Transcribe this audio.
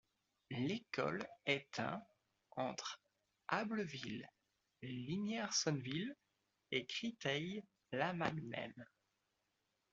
L'école est un entre Ambleville, Lignières-Sonneville et Criteuil-la-Magdeleine.